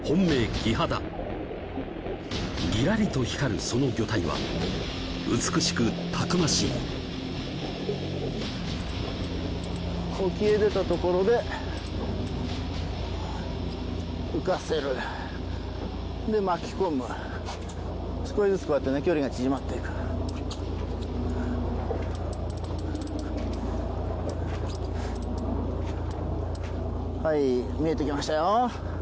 キハダギラリと光るその魚体は美しくたくましい沖へ出たところで浮かせるで巻き込む少しずつこうやってね距離が縮まっていくはい見えてきましたよ